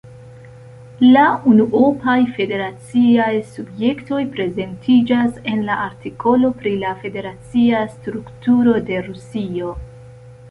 La unuopaj federaciaj subjektoj prezentiĝas en la artikolo pri la federacia strukturo de Rusio.